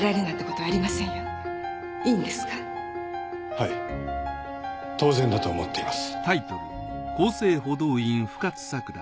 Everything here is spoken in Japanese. はい当然だと思っています。